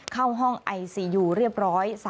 เข้าห้องไอซียูเรียบร้อย